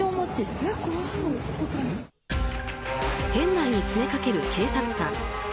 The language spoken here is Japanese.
店内に詰めかける警察官。